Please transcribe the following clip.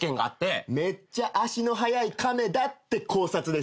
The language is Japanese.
めっちゃ足の速い亀だって考察です。